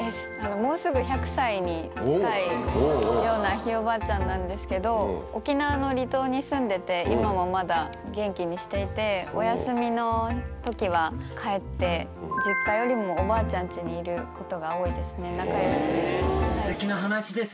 もうすぐ１００歳に近いようなひいおばあちゃんなんですけど、沖縄の離島に住んでて、今はまだ元気にしていて、お休みのときは帰って、実家よりもおばあちゃんちにいることが多いですね、仲よしです。